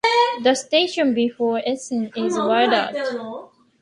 The station before Essen is Wildert.